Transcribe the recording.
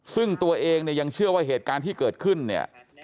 ซึ่งตัวเองเนี่ยยังเชื่อว่าเหตุการณ์ที่เกิดขึ้นเนี่ย